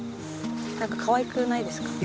なんかかわいくないですか？